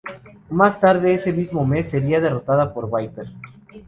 Más tarde en ese mismo mes sería derrotada por Viper.